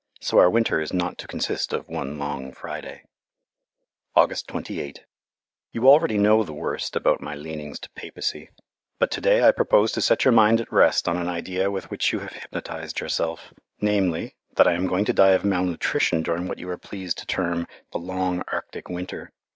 So our winter is not to consist of one long Friday. August 28 You already know the worst about my leanings to Papacy; but to day I propose to set your mind at rest on an idea with which you have hypnotized yourself namely, that I am going to die of malnutrition during what you are pleased to term the "long Arctic winter."